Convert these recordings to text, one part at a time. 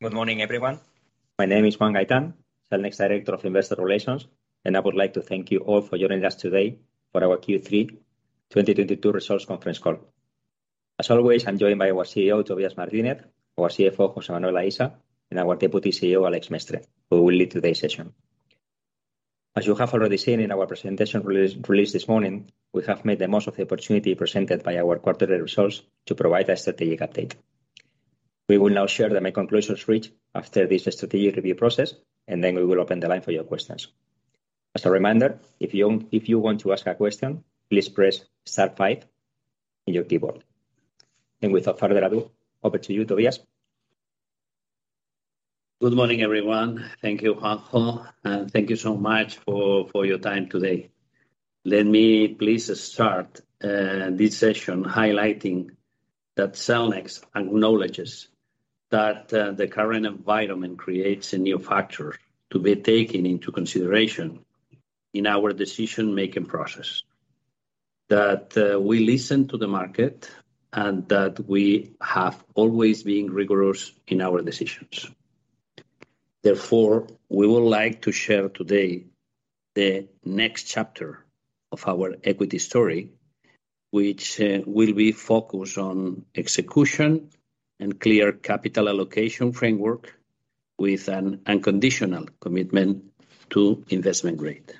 Good morning, everyone. My name is Juan Gaitán, Cellnex Director of Investor Relations, and I would like to thank you all for joining us today for our Q3 2022 results conference call. As always, I'm joined by our CEO, Tobías Martínez, our CFO, José Manuel Aisa, and our Deputy CEO, Àlex Mestre, who will lead today's session. As you have already seen in our presentation release, released this morning, we have made the most of the opportunity presented by our quarterly results to provide a strategic update. We will now share the main conclusions reached after this strategic review process, and then we will open the line for your questions. As a reminder, if you want to ask a question, please press star five in your keyboard. Without further ado, over to you, Tobías. Good morning, everyone. Thank you, Juan, and thank you so much for your time today. Let me please start this session highlighting that Cellnex acknowledges that the current environment creates a new factor to be taken into consideration in our decision-making process. That we listen to the market, and that we have always been rigorous in our decisions. Therefore, we would like to share today the next chapter of our equity story, which will be focused on execution and clear capital allocation framework with an unconditional commitment to investment grade.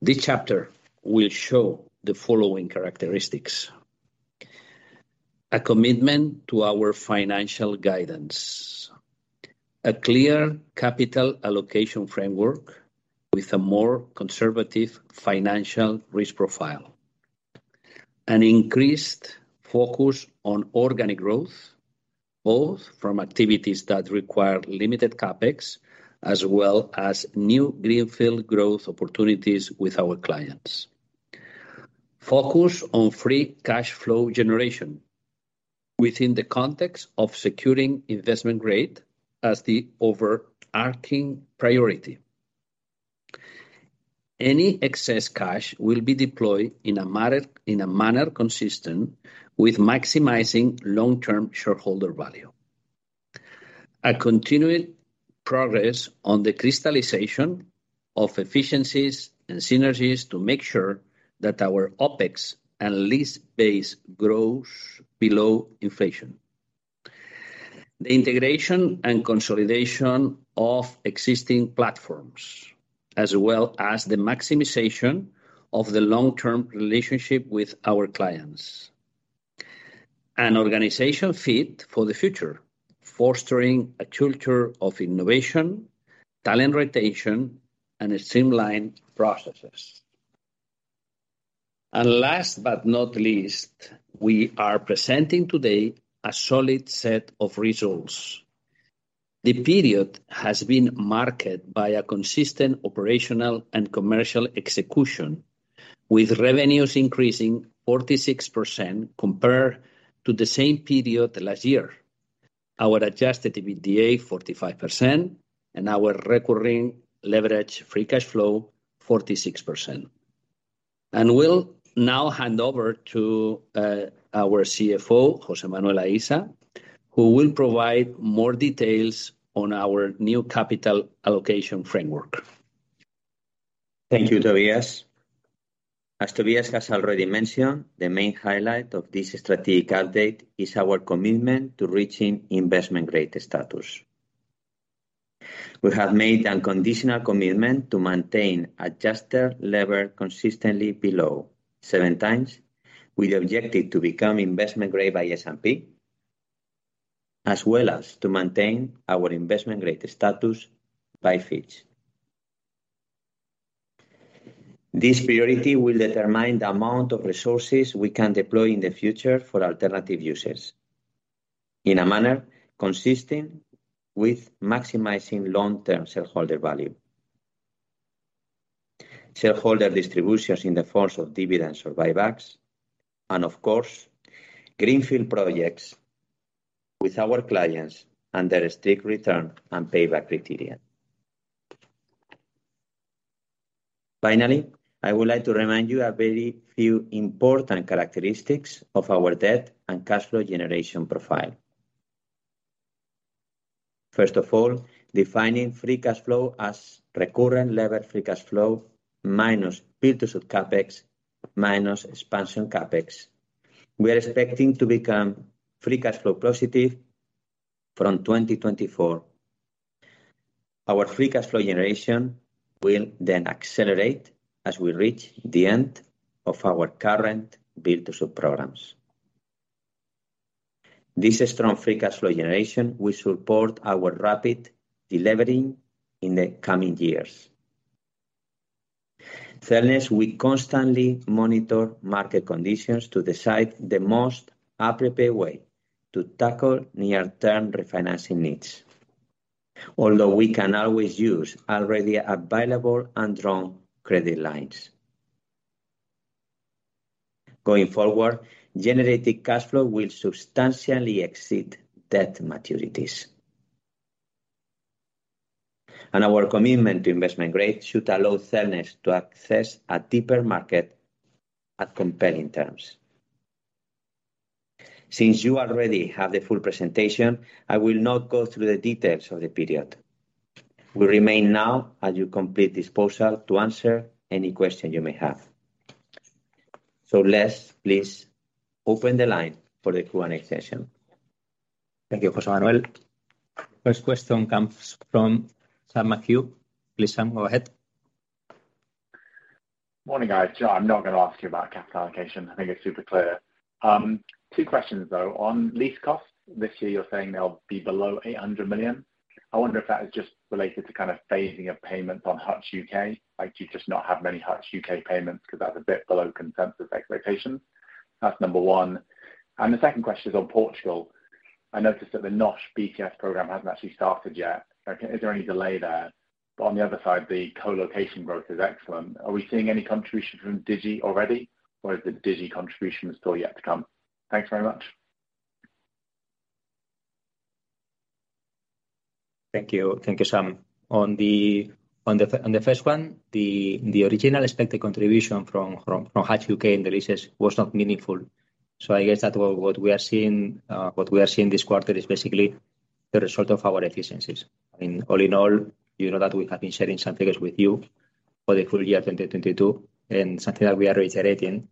This chapter will show the following characteristics. A commitment to our financial guidance. A clear capital allocation framework with a more conservative financial risk profile. An increased focus on organic growth, both from activities that require limited CapEx, as well as new greenfield growth opportunities with our clients. Focus on free cash flow generation within the context of securing investment grade as the overarching priority. Any excess cash will be deployed in a manner consistent with maximizing long-term shareholder value. And continued progress on the crystallization of efficiencies and synergies to make sure that our OpEx and lease base grows below inflation. The integration and consolidation of existing platforms, as well as the maximization of the long-term relationship with our clients. An organization fit for the future, fostering a culture of innovation, talent rotation, and streamlined processes. Last but not least, we are presenting today a solid set of results. The period has been marked by a consistent operational and commercial execution, with revenues increasing 46% compared to the same period last year. Our Adjusted EBITDA 45%, and our Recurring Levered Free Cash Flow 46%. Will now hand over to our CFO, José Manuel Aisa, who will provide more details on our new capital allocation framework. Thank you, Tobías. As Tobías has already mentioned, the main highlight of this strategic update is our commitment to reaching investment grade status. We have made an unconditional commitment to maintain adjusted leverage consistently below 7x, with the objective to become investment grade by S&P, as well as to maintain our investment grade status by Fitch. This priority will determine the amount of resources we can deploy in the future for alternative uses in a manner consistent with maximizing long-term shareholder value. Shareholder distributions in the forms of dividends or buybacks, and of course, greenfield projects with our clients under strict return and payback criteria. Finally, I would like to remind you a very few important characteristics of our debt and cash flow generation profile. First of all, defining free cash flow as recurrent levered free cash flow minus Build-to-Suit CapEx, minus expansion CapEx. We are expecting to become free cash flow positive from 2024. Our free cash flow generation will then accelerate as we reach the end of our current Build-to-Suit programs. This strong free cash flow generation will support our rapid delevering in the coming years. Third, we constantly monitor market conditions to decide the most appropriate way to tackle near-term refinancing needs. Although we can always use already available undrawn credit lines. Going forward, generated cash flow will substantially exceed debt maturities. Our commitment to investment grade should allow Cellnex to access a deeper market at compelling terms. Since you already have the full presentation, I will not go through the details of the period. We remain now as you complete this process to answer any question you may have. Let's please open the line for the Q&A session. Thank you, José Manuel. First question comes from Sam McHugh. Please, Sam, go ahead. Morning, guys. I'm not gonna ask you about capital allocation. I think it's super clear. Two questions, though. On lease costs, this year you're saying they'll be below 800 million. I wonder if that is just related to kind of phasing of payments on Hutch U.K., like do you just not have many Hutch U.K. payments because that's a bit below consensus expectations. That's number one. The second question is on Portugal. I noticed that the NOS BTS program hasn't actually started yet. Is there any delay there? On the other side, the co-location growth is excellent. Are we seeing any contribution from Digi already, or is the Digi contribution still yet to come? Thanks very much. Thank you. Thank you, Sam. On the first one, the original expected contribution from Hutch U.K. and the leases was not meaningful. I guess that what we are seeing this quarter is basically the result of our efficiencies. I mean, all in all, you know that we have been sharing some figures with you for the full year 2022, and something that we are reiterating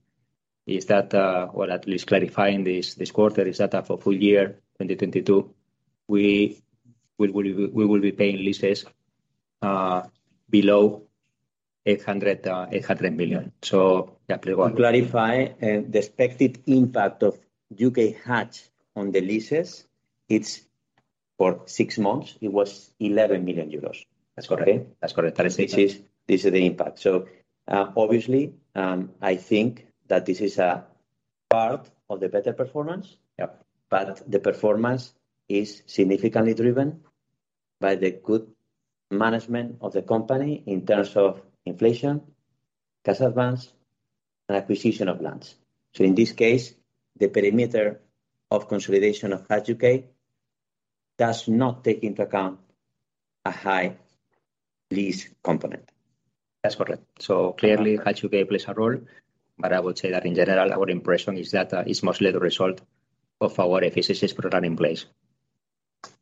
is that, or at least clarifying this quarter, is that for full year 2022, we will be paying leases below 800 million. To clarify, the expected impact of Hutch U.K. on the leases, it's for six months, it was 11 million euros. That's correct. Okay? That's correct. This is the impact. Obviously, I think that this is a part of the better performance. Yeah. The performance is significantly driven by the good management of the company in terms of inflation, cash advance, and acquisition of lands. In this case, the perimeter of consolidation of Hutch U.K. does not take into account a high lease component. That's correct. So clearly Hutch U.K. plays a role, but I would say that in general, our impression is that it's mostly the result of our efficiencies program in place.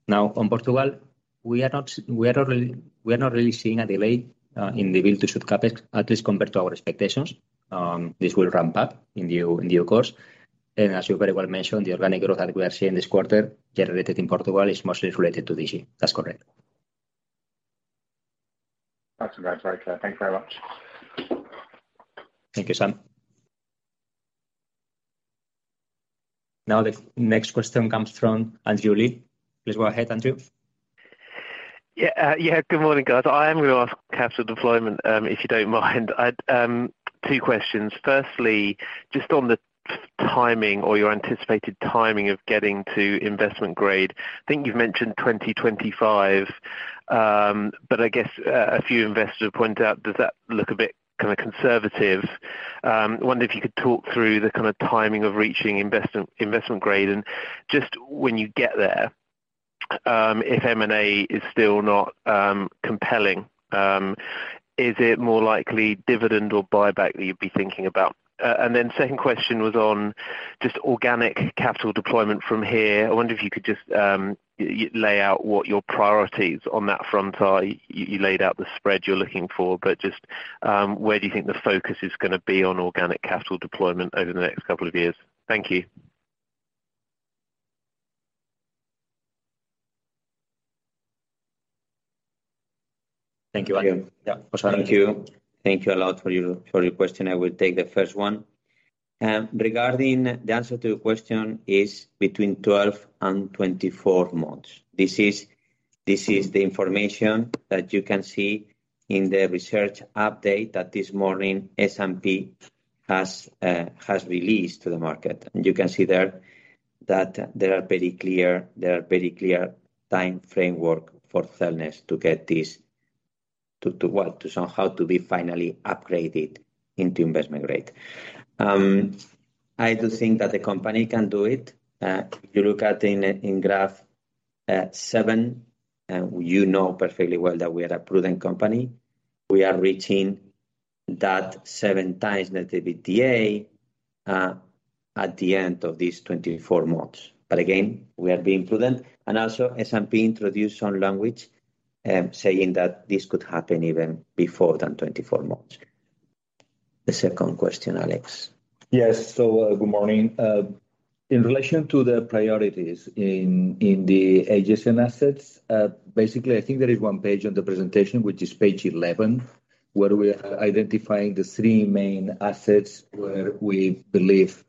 Now, on Portugal, we are not really seeing a delay in the Build-to-Suit CapEx, at least compared to our expectations. This will ramp up in due course. As you very well mentioned, the organic growth that we are seeing this quarter generated in Portugal is mostly related to Digi. That's correct. Absolutely. Great. Thanks very much. Thank you, Sam. Now the next question comes from Andrew Lee. Please go ahead, Andrew. Yeah, good morning, guys. I am gonna ask about capital deployment, if you don't mind. I have two questions. Firstly, just on the timing of your anticipated timing of getting to investment grade. I think you've mentioned 2025, but I guess a few investors have pointed out, does that look a bit kinda conservative? I wonder if you could talk through the kind of timing of reaching investment grade, and just when you get there, if M&A is still not compelling, is it more likely dividend or buyback that you'd be thinking about? Second question was on just organic capital deployment from here. I wonder if you could just lay out what your priorities on that front are. You laid out the spread you're looking for, but just, where do you think the focus is gonna be on organic capital deployment over the next couple of years? Thank you. Thank you, Andrew. Yeah. Thank you. Thank you a lot for your question. I will take the first one. Regarding the answer to your question is between 12 months-24 months. This is the information that you can see in the research update that this morning S&P has released to the market. You can see there that there are very clear time framework for Cellnex to get this somehow to be finally upgraded into investment grade. I do think that the company can do it. If you look at graph 7, you know perfectly well that we are a prudent company. We are reaching that 7x net EBITDA at the end of these 24 months. Again, we are being prudent. Also S&P introduced some language saying that this could happen even before than 24 months. The second question, Àlex. Yes. Good morning. In relation to the priorities in the HSN assets, basically, I think there is one page on the presentation, which is page 11, where we are identifying the three main assets where we believe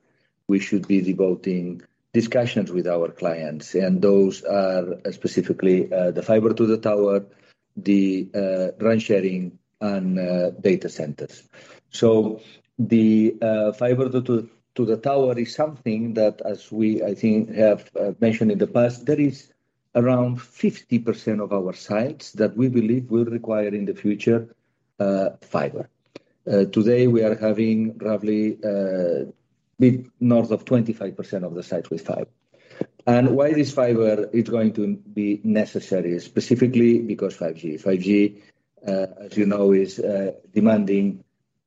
we should be devoting discussions with our clients, and those are specifically the fiber to the tower, the RAN sharing and data centers. The fiber to the tower is something that as we, I think, have mentioned in the past, there is around 50% of our sites that we believe will require in the future, fiber Today we are having roughly bit north of 25% of the site with fiber. Why this fiber is going to be necessary specifically because 5G. 5G, as you know, is demanding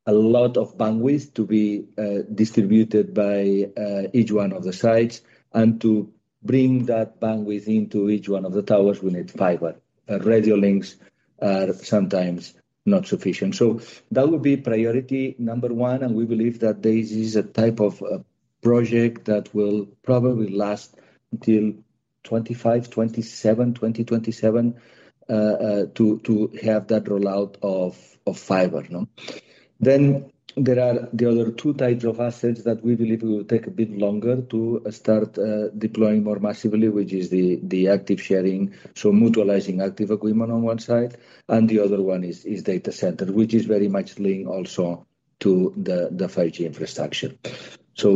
a lot of bandwidth to be distributed by each one of the sites. To bring that bandwidth into each one of the towers, we need fiber. Radio links are sometimes not sufficient. That would be priority number one, and we believe that this is a type of project that will probably last until 2025-2027 to have that rollout of fiber, no? There are the other two types of assets that we believe will take a bit longer to start deploying more massively, which is the active sharing, so mutualizing active equipment on one side, and the other one is data center, which is very much linked also to the 5G infrastructure.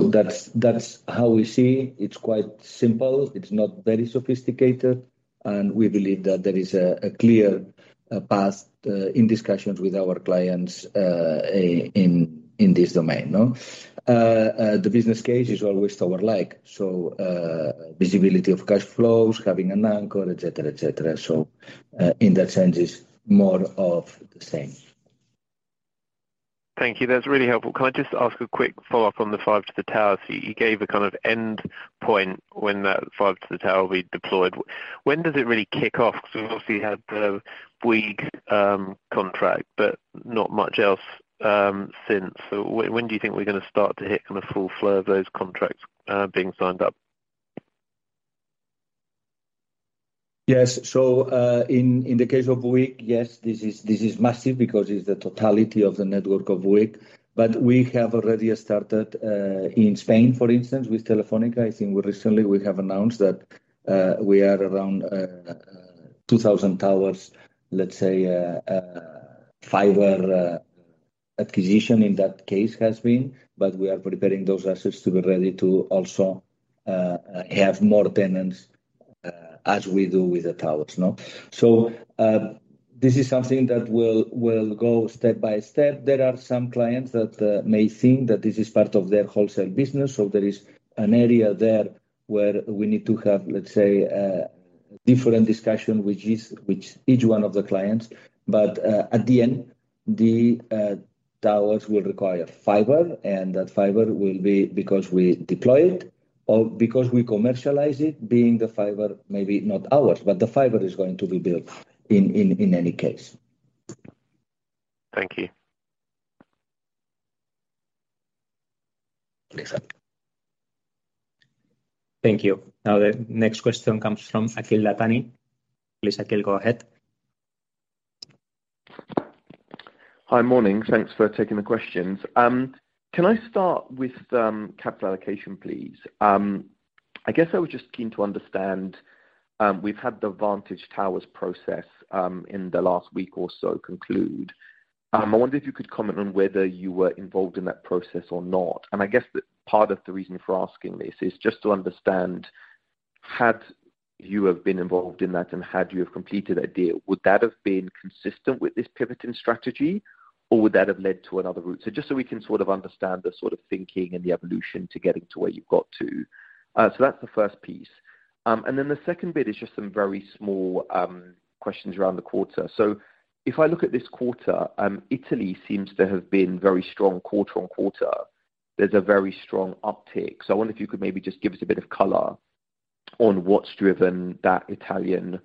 That's how we see. It's quite simple. It's not very sophisticated, and we believe that there is a clear path in discussions with our clients in this domain, no? The business case is always tower-like, so visibility of cash flows, having an anchor, et cetera. In that sense, it's more of the same. Thank you. That's really helpful. Can I just ask a quick follow-up on the fiber to the tower? You gave a kind of end point when that fiber to the tower will be deployed. When does it really kick off? Because we've obviously had the Vodafone contract, but not much else since. When do you think we're gonna start to hit kind of full flow of those contracts being signed up? Yes. In the case of Vodafone, yes, this is massive because it's the totality of the network of Vodafone. We have already started in Spain, for instance, with Telefónica. I think we recently have announced that we are around 2,000 towers, let's say, fiber acquisition in that case has been, but we are preparing those assets to be ready to also have more tenants as we do with the towers, no. This is something that will go step by step. There are some clients that may think that this is part of their wholesale business. There is an area there where we need to have, let's say, a different discussion, which is with each one of the clients. At the end, the towers will require fiber, and that fiber will be because we deploy it or because we commercialize it being the fiber, maybe not ours, but the fiber is going to be built in any case. Thank you. Thank you. Now the next question comes from Akhil Dattani. Please, Akhil, go ahead. Hi. Morning. Thanks for taking the questions. Can I start with capital allocation, please? I guess I was just keen to understand, we've had the Vantage Towers process in the last week or so conclude. I wonder if you could comment on whether you were involved in that process or not. I guess that part of the reason for asking this is just to understand, had you have been involved in that and had you have completed a deal, would that have been consistent with this pivot in strategy, or would that have led to another route? Just so we can sort of understand the sort of thinking and the evolution to getting to where you've got to. That's the first piece. The second bit is just some very small questions around the quarter. If I look at this quarter, Italy seems to have been very strong quarter-on-quarter. There's a very strong uptick. I wonder if you could maybe just give us a bit of color on what's driven that Italian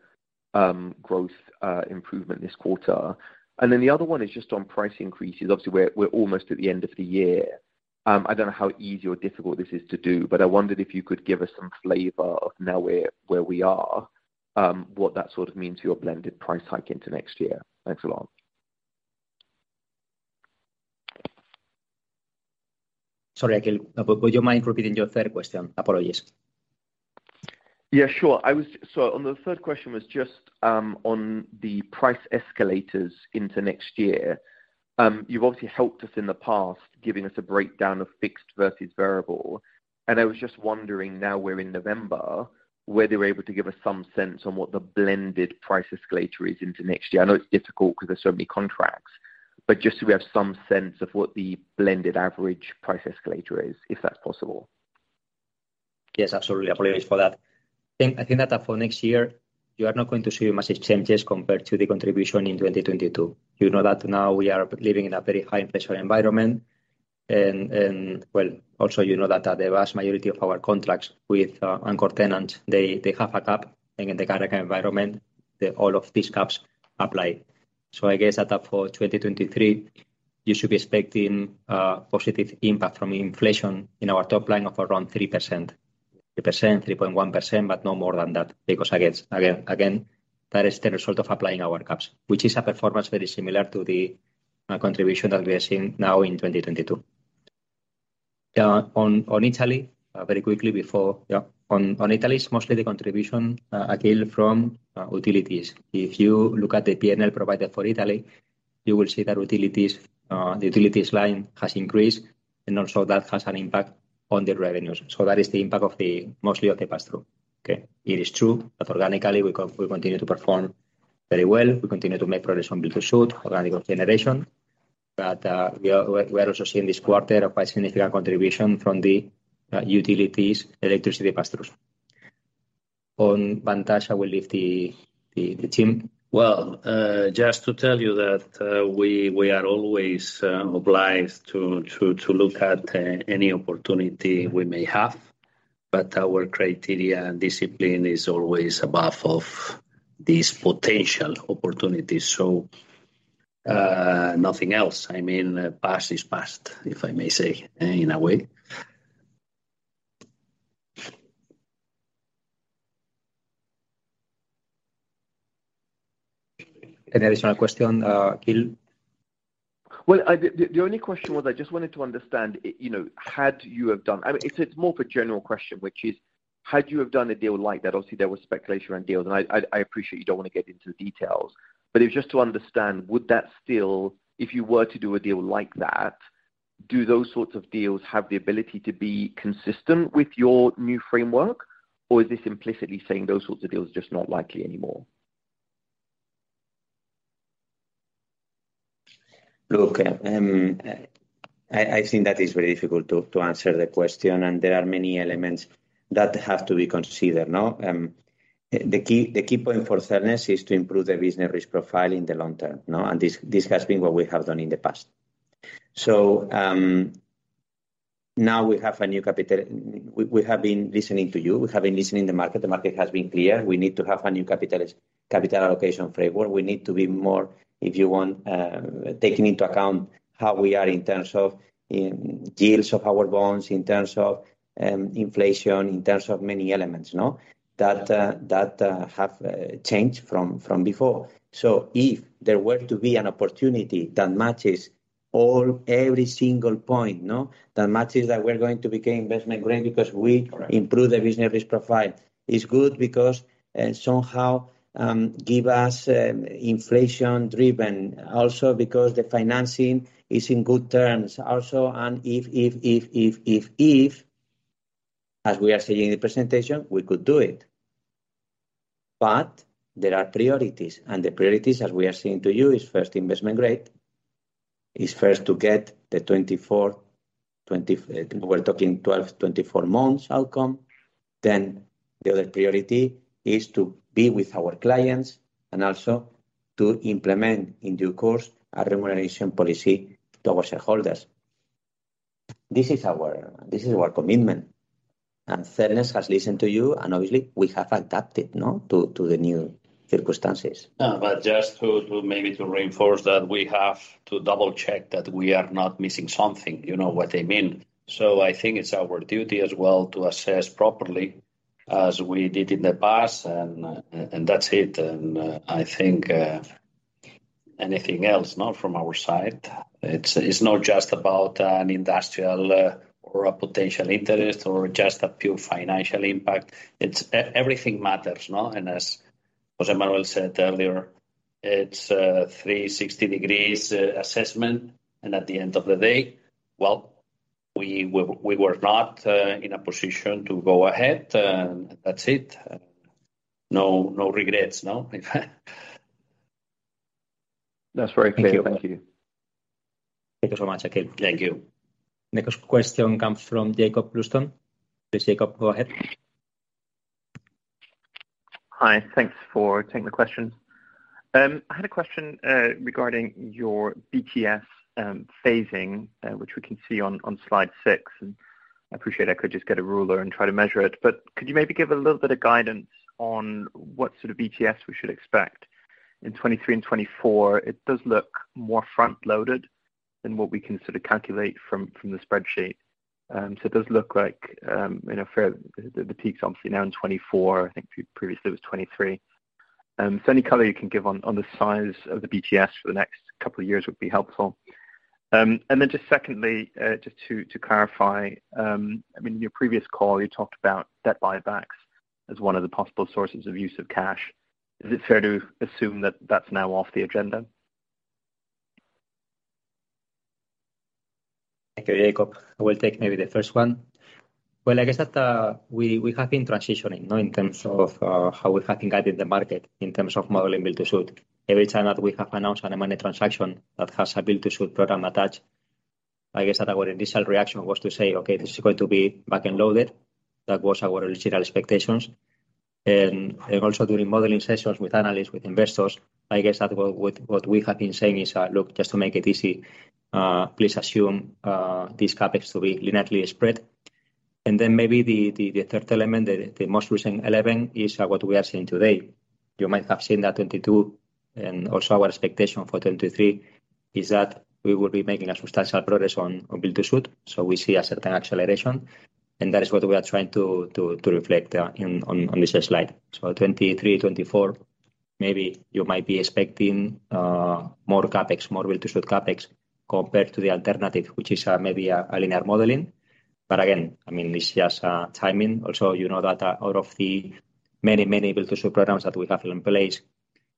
growth improvement this quarter. Then the other one is just on price increases. Obviously, we're almost at the end of the year. I don't know how easy or difficult this is to do, but I wondered if you could give us some flavor of now where we are, what that sort of means for your blended price hike into next year. Thanks a lot. Sorry, Akhil. Would you mind repeating your third question? Apologies. Yeah, sure. On the third question was just on the price escalators into next year. You've obviously helped us in the past, giving us a breakdown of fixed versus variable. I was just wondering, now we're in November, whether you're able to give us some sense on what the blended price escalator is into next year. I know it's difficult because there's so many contracts, but just so we have some sense of what the blended average price escalator is, if that's possible. Yes, absolutely. Apologies for that. I think that for next year, you are not going to see much changes compared to the contribution in 2022. You know that now we are living in a very high inflation environment and, well, also you know that the vast majority of our contracts with anchor tenants, they have a cap in the current environment. All of these caps apply. I guess that for 2023, you should be expecting a positive impact from inflation in our top line of around 3%. 3%, 3.1%, but no more than that. Because again, that is the result of applying our caps, which is a performance very similar to the contribution that we are seeing now in 2022. On Italy, very quickly before. Yeah. On Italy, it's mostly the contribution, Akhil from utilities. If you look at the P&L provided for Italy, you will see that utilities, the utilities line has increased, and also that has an impact on the revenues. That is the impact, mostly of the pass-through. Okay. It is true that organically we continue to perform very well. We continue to make progress on build-to-suit, organic generation. We are also seeing this quarter a quite significant contribution from the utilities, electricity pass-throughs. On Vantage, we leave the team. Well, just to tell you that, we are always obliged to look at any opportunity we may have, but our criteria and discipline is always above of these potential opportunities. Nothing else. I mean, past is past, if I may say, in a way. Any additional question, Akhil? Well, the only question was I just wanted to understand, you know, I mean, it's more of a general question, which is, had you have done a deal like that, obviously there was speculation around deals and I appreciate you don't want to get into the details. It was just to understand, would that still, if you were to do a deal like that, do those sorts of deals have the ability to be consistent with your new framework? Or is this implicitly saying those sorts of deals are just not likely anymore? Look, I think that is very difficult to answer the question, and there are many elements that have to be considered, no? The key point for Cellnex is to improve the business risk profile in the long term, no? This has been what we have done in the past. Now we have a new capital. We have been listening to you. We have been listening to the market. The market has been clear. We need to have a new capital allocation framework. We need to be more, if you want, taking into account how we are in terms of yields of our bonds, in terms of inflation, in terms of many elements, no? That have changed from before. If there were to be an opportunity that matches all, every single point, no? That matches that we're going to become investment grade because we- Correct Improve the business risk profile. It's good because somehow gives us inflation-driven also because the financing is in good terms also, and if, as we are saying in the presentation, we could do it. There are priorities, and the priorities, as we are saying to you, is first investment grade, is first to get the 12 months-24 months outcome. The other priority is to be with our clients and also to implement in due course a remuneration policy to our shareholders. This is our commitment, and Cellnex has listened to you, and obviously we have adapted, no? To the new circumstances. No, but just to maybe reinforce that we have to double-check that we are not missing something. You know what I mean? I think it's our duty as well to assess properly as we did in the past, and that's it. I think anything else, no, from our side. It's not just about an industrial or a potential interest or just a pure financial impact. It's everything matters, no? As José Manuel said earlier, it's a 360 degrees assessment. At the end of the day, well, we were not in a position to go ahead, and that's it. No regrets, no? That's very clear. Thank you. Thank you so much, Akhil. Thank you. Next question comes from Jakob Bluestone. Please, Jakob, go ahead. Hi. Thanks for taking the question. I had a question regarding your BTS phasing, which we can see on slide six, and I appreciate I could just get a ruler and try to measure it. Could you maybe give a little bit of guidance on what sort of BTS we should expect in 2023 and 2024? It does look more front-loaded than what we can sort of calculate from the spreadsheet. It does look like in effect the peak's obviously now in 2024. I think previously it was 2023. Any color you can give on the size of the BTS for the next couple of years would be helpful. Just secondly, just to clarify, I mean, in your previous call you talked about debt buybacks as one of the possible sources of use of cash. Is it fair to assume that that's now off the agenda? Thank you, Jakob. I will take maybe the first one. Well, I guess that we have been transitioning in terms of how we have been guiding the market in terms of modeling build-to-suit. Every time that we have announced an M&A transaction that has a build-to-suit program attached, I guess that our initial reaction was to say, "Okay, this is going to be back-loaded." That was our original expectations. Also during modeling sessions with analysts, with investors, I guess that what we have been saying is, "Look, just to make it easy, please assume this CapEx to be linearly spread." Then maybe the third element, the most recent element is what we are seeing today. You might have seen that 2022, and also our expectation for 2023, is that we will be making a substantial progress on build-to-suit, so we see a certain acceleration. That is what we are trying to reflect in on this slide. 2023, 2024, maybe you might be expecting more CapEx, more build-to-suit CapEx compared to the alternative, which is maybe a linear modeling. Again, I mean, it's just timing. You know that out of the many build-to-suit programs that we have in place,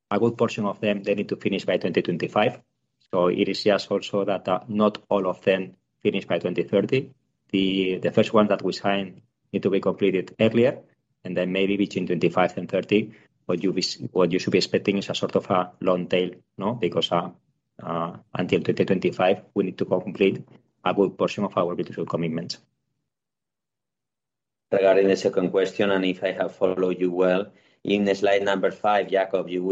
a good portion of them, they need to finish by 2025. It is just also that not all of them finish by 2030. The first one that we sign need to be completed earlier, and then maybe between 2025 and 2030. What you should be expecting is a sort of a long tail, you know, because until 2025, we need to complete a good portion of our build-to-suit commitments. Regarding the second question, and if I have followed you well, in slide number five, James Ratzer, you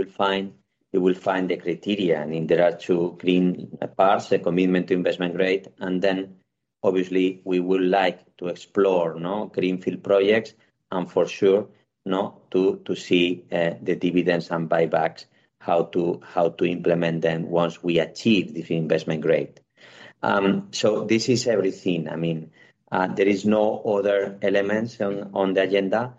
will find the criteria. I mean, there are two green parts, the commitment to investment grade, and then obviously we would like to explore, you know, greenfield projects and for sure, you know, to see the dividends and buybacks, how to implement them once we achieve the investment grade. So this is everything. I mean, there is no other elements on the agenda.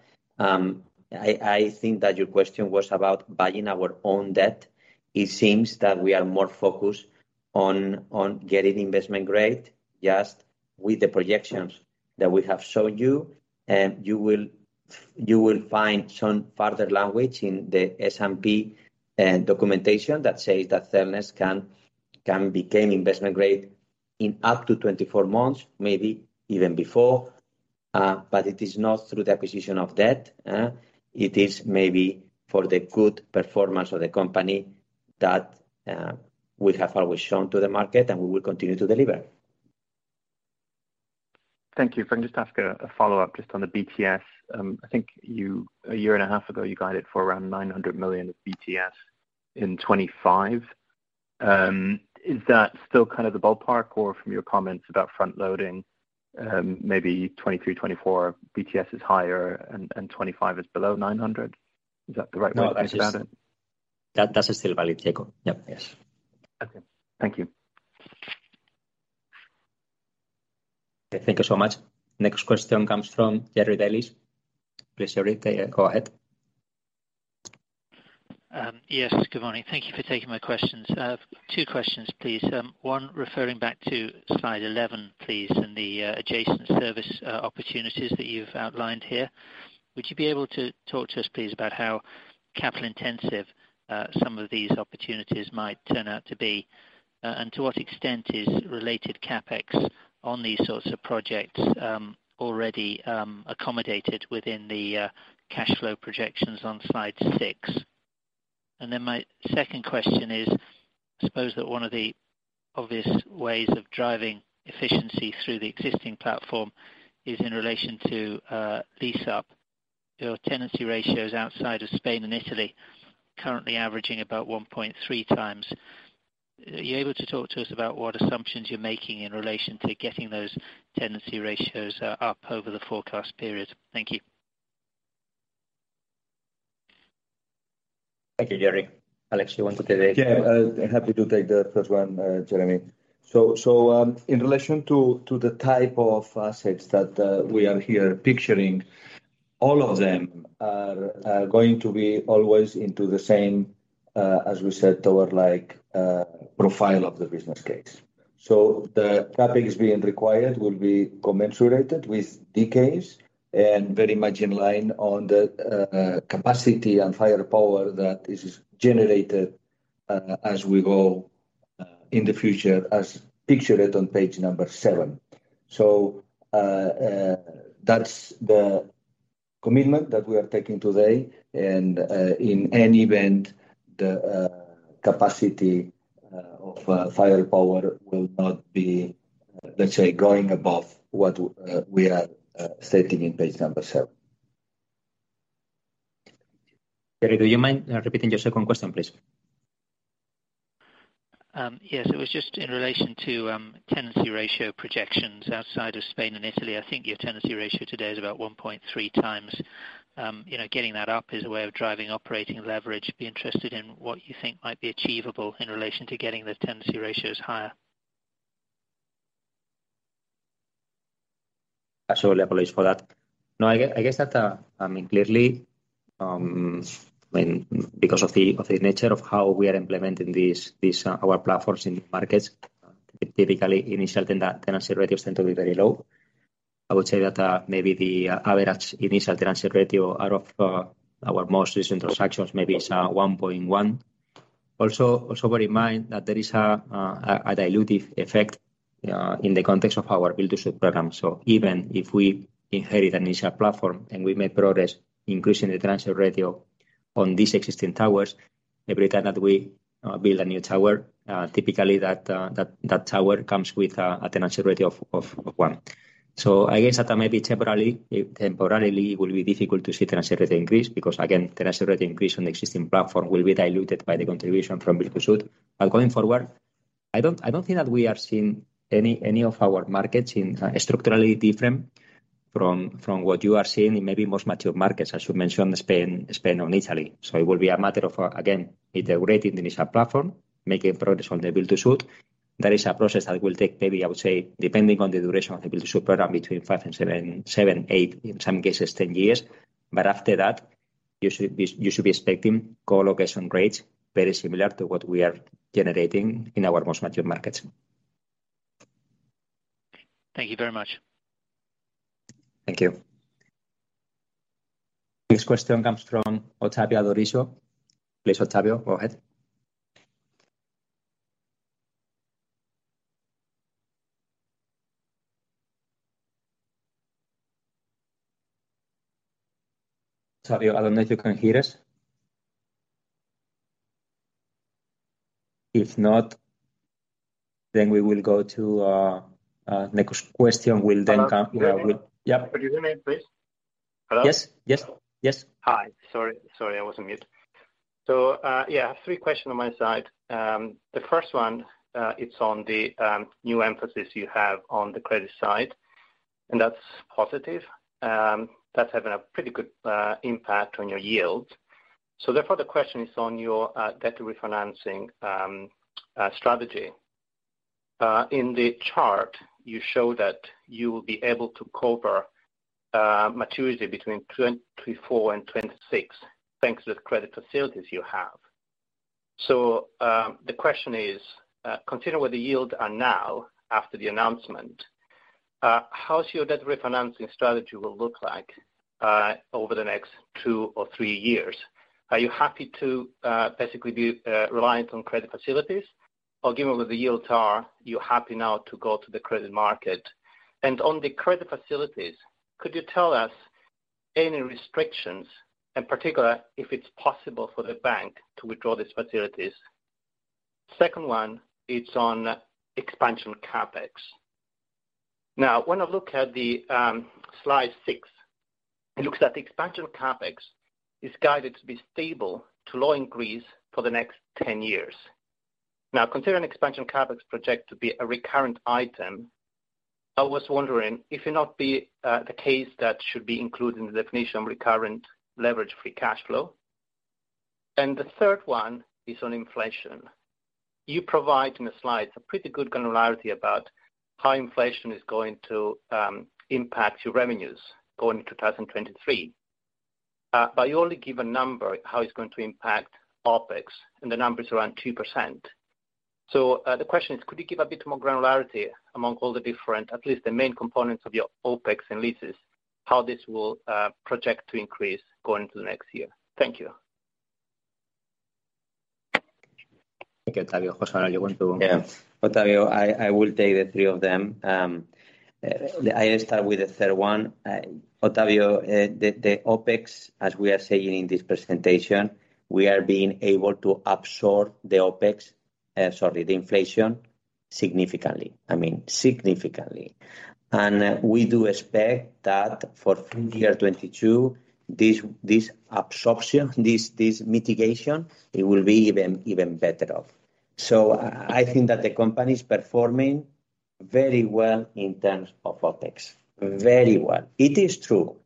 I think that your question was about buying our own debt. It seems that we are more focused on getting investment grade just with the projections that we have shown you. You will find some further language in the S&P documentation that says that Cellnex can become investment grade in up to 24 months, maybe even before. It is not through the acquisition of debt. It is maybe for the good performance of the company that we have always shown to the market and we will continue to deliver. Thank you. If I can just ask a follow-up just on the BTS. I think a year and a half ago, you guided for around 900 million of BTS in 2025. Is that still kind of the ballpark, or from your comments about front-loading, maybe 2023, 2024 BTS is higher and 2025 is below 900 million? Is that the right way to think about it? That's still valid, James. Yep. Yes. Okay. Thank you. Okay. Thank you so much. Next question comes from Jerry Dellis. Please, Jerry, go ahead. Yes. Good morning. Thank you for taking my questions. I have two questions, please. One referring back to slide 11, please, and the adjacent service opportunities that you've outlined here. Would you be able to talk to us, please, about how capital-intensive some of these opportunities might turn out to be? And to what extent is related CapEx on these sorts of projects already accommodated within the cash flow projections on slide six? My second question is, I suppose that one of the obvious ways of driving efficiency through the existing platform is in relation to lease-up. Your tenancy ratios outside of Spain and Italy currently averaging about 1.3x. Are you able to talk to us about what assumptions you're making in relation to getting those tenancy ratios up over the forecast period? Thank you. Thank you, Jeremy. Àlex, you want to take this? Yeah, happy to take the first one, Jerry. In relation to the type of assets that we are here picturing, all of them are going to be always into the same, as we said, tower-like profile of the business case. The CapEx being required will be commensurate with the case and very much in line with the capacity and firepower that is generated as we go in the future as pictured on page seven. That's the commitment that we are taking today. In any event, the capacity of firepower will not be, let's say, going above what we are stating on page seven. Jerry, do you mind, repeating your second question, please? Yes. It was just in relation to, tenancy ratio projections outside of Spain and Italy. I think your tenancy ratio today is about 1.3 times. You know, getting that up is a way of driving operating leverage. Be interested in what you think might be achievable in relation to getting the tenancy ratios higher. Actually, apologies for that. No, I guess that, I mean, clearly, when because of the nature of how we are implementing this our platforms in markets, typically initial tenancy ratios tend to be very low. I would say that, maybe the average initial tenancy ratio out of our most recent transactions maybe is 1.1. Also bear in mind that there is a dilutive effect in the context of our build-to-suit program. Even if we inherit an initial platform and we make progress increasing the tenancy ratio on these existing towers, every time that we build a new tower, typically that tower comes with a tenancy ratio of 1. I guess that maybe temporarily it will be difficult to see tenancy ratio increase because, again, tenancy ratio increase on existing platform will be diluted by the contribution from build-to-suit. Going forward, I don't think that we are seeing any of our markets structurally different from what you are seeing in maybe most mature markets, as you mentioned, Spain and Italy. It will be a matter of, again, integrating the initial platform, making progress on the build-to-suit. That is a process that will take maybe, I would say, depending on the duration of the build-to-suit program, between 5 years and 7 years, 8 years, in some cases 10 years. After that, you should be expecting co-location ratios very similar to what we are generating in our most mature markets. Thank you very much. Thank you. Next question comes from Ottavio Adorisio. Please, Ottavio, go ahead. Ottavio, I don't know if you can hear us. If not, then we will go to next question. Hello. Can you hear me? Yeah. Could you hear me please? Hello? Yes. Yes. Yes. Hi. Sorry, I was on mute. Yeah, three questions on my side. The first one, it's on the new emphasis you have on the credit side, and that's positive. That's having a pretty good impact on your yield. Therefore, the question is on your debt refinancing strategy. In the chart, you show that you will be able to cover maturity between 2024 and 2026, thanks to the credit facilities you have. The question is, considering where the yields are now after the announcement, how's your debt refinancing strategy will look like over the next two or three years? Are you happy to basically be reliant on credit facilities? Or given where the yields are, you're happy now to go to the credit market? On the credit facilities, could you tell us any restrictions, in particular, if it's possible for the bank to withdraw these facilities? Second one is on expansion CapEx. Now, when I look at the slide six, it looks like the expansion CapEx is guided to be stable to low increase for the next 10 years. Now, considering expansion CapEx project to be a recurrent item, I was wondering if it not be the case that should be included in the definition of recurrent levered free cash flow. The third one is on inflation. You provide in the slides a pretty good granularity about how inflation is going to impact your revenues going into 2023. But you only give a number how it's going to impact OpEx, and the number is around 2%. The question is, could you give a bit more granularity among all the different, at least the main components of your OpEx and leases, how this will project to increase going to the next year? Thank you. Thank you, Ottavio. José Manuel, you want to. Yeah. Ottavio, I will take the three of them. I start with the third one. Ottavio, the OpEx, as we are saying in this presentation, we are being able to absorb the OpEx, sorry, the inflation significantly. I mean, significantly. We do expect that for full year 2022, this absorption, this mitigation, it will be even better off. I think that the company is performing very well in terms of OpEx. Very well. It is true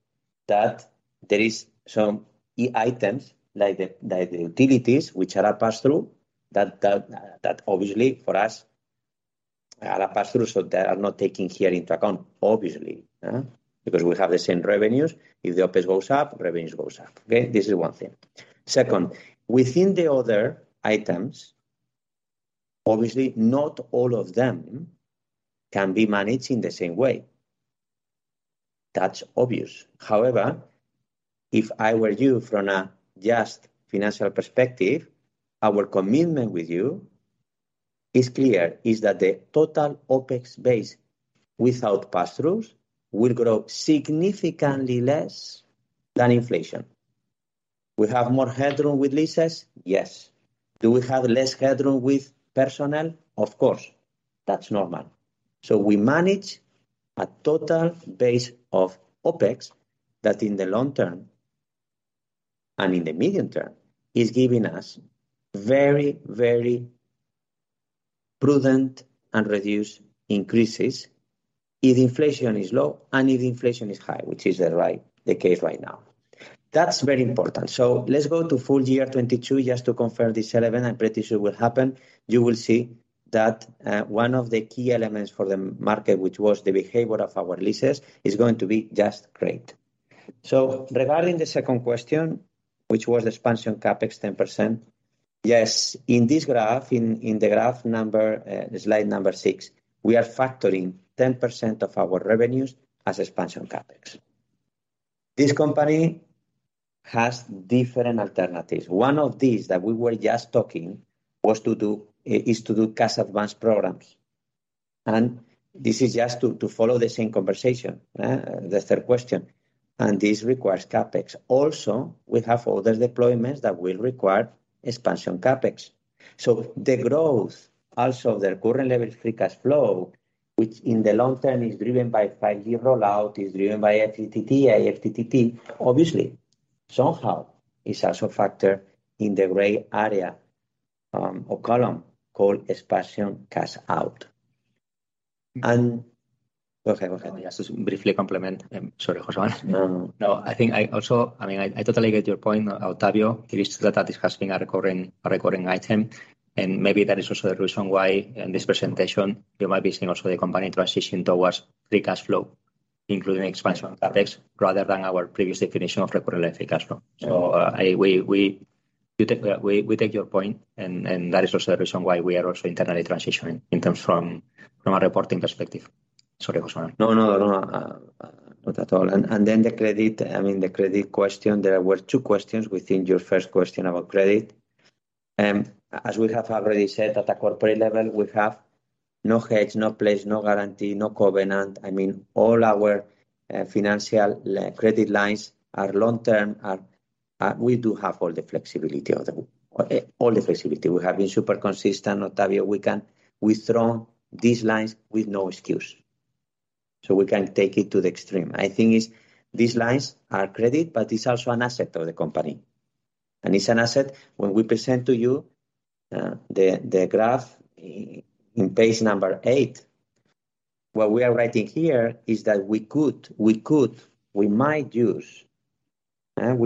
that there is some items like the utilities, which are a pass-through, that obviously for us are a pass-through, so they are not taking here into account, obviously. Because we have the same revenues. If the OpEx goes up, revenues goes up. This is one thing. Second, within the other items, obviously, not all of them can be managed in the same way. That's obvious. However, if I were you from a just financial perspective, our commitment with you is clear, is that the total OpEx base without pass-throughs will grow significantly less than inflation. We have more headroom with leases? Yes. Do we have less headroom with personnel? Of course. That's normal. We manage a total base of OpEx that in the long term and in the medium term is giving us very, very prudent and reduced increases if inflation is low and if inflation is high, which is the case right now. That's very important. Let's go to full year 2022 just to confirm this element, I'm pretty sure it will happen. You will see that, one of the key elements for the market, which was the behavior of our leases, is going to be just great. Regarding the second question, which was expansion CapEx 10%. Yes. In this graph, in the graph number, slide number six, we are factoring 10% of our revenues as expansion CapEx. This company has different alternatives. One of these that we were just talking is to do cash advance programs. This is just to follow the same conversation, the third question, and this requires CapEx. Also, we have other deployments that will require expansion CapEx. The growth also of the current level free cash flow, which in the long term is driven by five-year rollout, is driven by FTTT, IFTTT, obviously somehow is also factor in the gray area, or column called expansion CapEx. Just to briefly comment. Sorry, José Manuel. I mean, I totally get your point, Ottavio. It is true that this has been a recurring item, and maybe that is also the reason why in this presentation, you might be seeing also the company transition towards free cash flow, including expansion CapEx, rather than our previous definition of recurrent free cash flow. We take your point, and that is also the reason why we are also internally transitioning in terms from a reporting perspective. Sorry, José Manuel. No, not at all. Then the credit question, I mean, there were two questions within your first question about credit. As we have already said, at a corporate level, we have no hedge, no pledge, no guarantee, no covenant. I mean, all our credit lines are long-term, we do have all the flexibility. We have been super consistent, Ottavio. We can withdraw these lines with no excuse. We can take it to the extreme. I think it's these lines are credit, but it's also an asset of the company. It's an asset when we present to you the graph in page number eight. What we are writing here is that we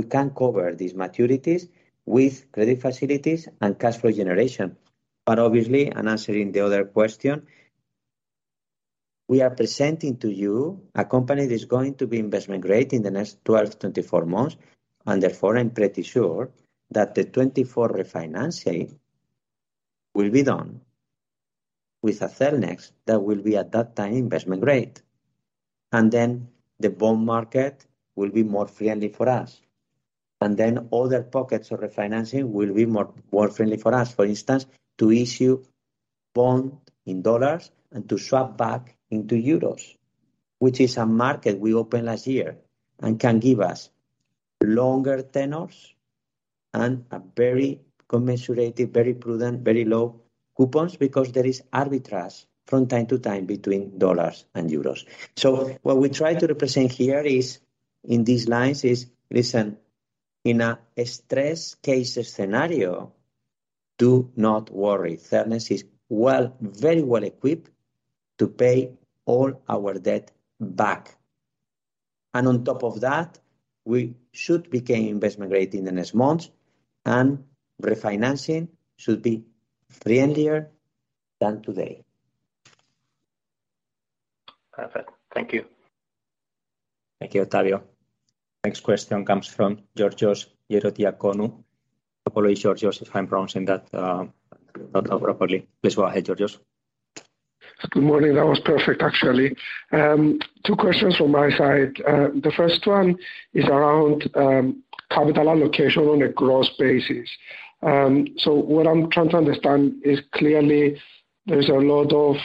can cover these maturities with credit facilities and cash flow generation. Obviously, and answering the other question, we are presenting to you a company that's going to be investment grade in the next 12 months-24 months, and therefore, I'm pretty sure that the 2024 refinancing will be done with a Cellnex that will be at that time investment grade. Then the bond market will be more friendly for us. Then other pockets of refinancing will be more friendly for us. For instance, to issue bond in dollars and to swap back into euros, which is a market we opened last year and can give us longer tenors and a very accommodating, very prudent, very low coupons because there is arbitrage from time to time between dollars and euros. What we try to represent here is, in these lines, is listen, in a stress case scenario, do not worry. Cellnex is well, very well equipped to pay all our debt back. On top of that, we should become investment grade in the next months, and refinancing should be friendlier than today. Perfect. Thank you. Thank you, Ottavio. Next question comes from Georgios Ierodiaconou. Apologies, Georgios, if I'm pronouncing that not properly. Please go ahead, Georgios. Good morning. That was perfect, actually. Two questions from my side. The first one is around capital allocation on a gross basis. So what I'm trying to understand is clearly there's a lot of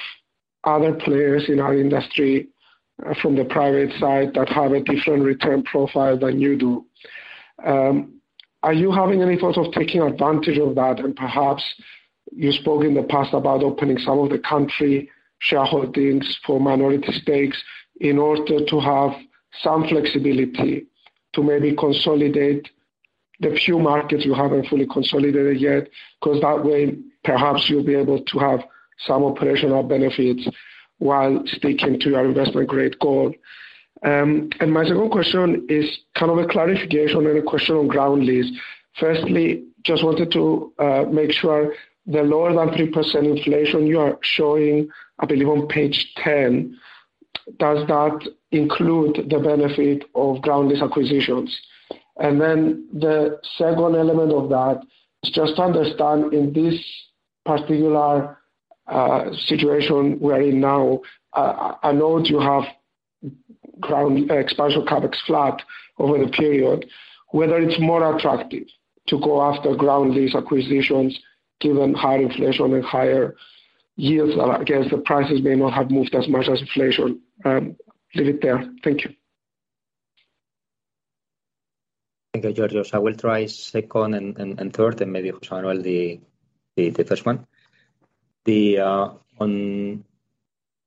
other players in our industry from the private side that have a different return profile than you do. Are you having any thoughts of taking advantage of that? Perhaps you spoke in the past about opening some of the country shareholdings for minority stakes in order to have some flexibility to maybe consolidate the few markets you haven't fully consolidated yet. 'Cause that way, perhaps you'll be able to have some operational benefits while sticking to your investment grade goal. My second question is kind of a clarification and a question on ground lease. Firstly, just wanted to make sure the lower than 3% inflation you are showing, I believe on page 10, does that include the benefit of ground lease acquisitions? Then the second element of that is just to understand in this particular situation we're in now, I know that you have ground expansion CapEx flat over the period, whether it's more attractive to go after ground lease acquisitions given higher inflation and higher yields against the prices may not have moved as much as inflation. Leave it there. Thank you. Thank you, Georgios. I will try second and third, and maybe José Manuel the first one.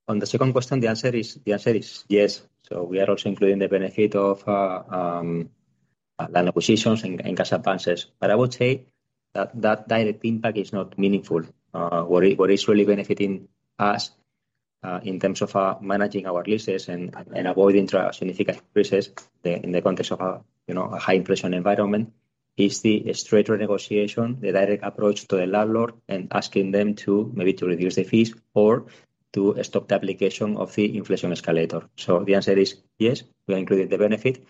On the second question, the answer is yes. We are also including the benefit of land acquisitions and cash advances. But I would say that direct impact is not meaningful. What is really benefiting us, in terms of managing our leases and avoiding significant increases in the context of a, you know, a high inflation environment, is the straight through negotiation, the direct approach to the landlord and asking them to, maybe to reduce the fees or to stop the application of the inflation escalator. The answer is yes, we are including the benefit,